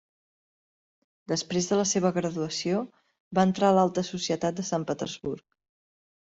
Després de la seva graduació, va entrar a l'alta societat de Sant Petersburg.